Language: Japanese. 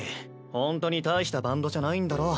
ほんとに大したバンドじゃないんだろ。